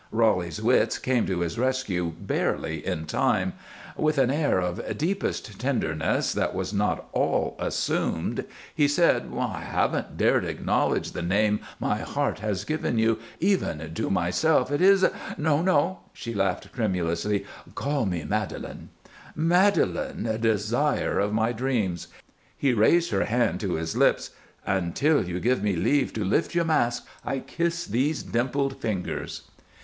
Roly's wits came to his rescue barely in time; with an air of deepest tenderness, that was not all assumed, he said: "I haven't dared acknowledge the name my heart has given you, even to myself. It is " "No, no!" she laughed, tremulously. "Call me Madelon." "Madelon, Desire of my Dreams." He raised her hand to his lips. "Until you give me leave to lift your mask I kiss these dimpled fingers."